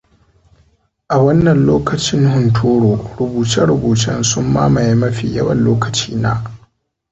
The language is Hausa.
A wannan lokacin hunturu, rubuce-rubucen sun mamaye mafi yawan lokacina.